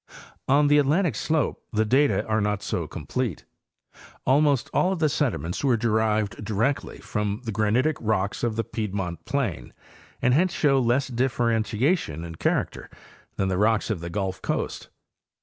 On the Atlantic slope the data are not so complete. Almost all of the sediments were derived directly from the granitic rocks of the piedmont plain, and hence show less differentiation in character than the rocks of the Gulf coast.